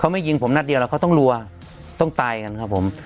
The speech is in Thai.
ไม่ยิงผมนัดเดียวแล้วเขาต้องรัวต้องตายกันครับผม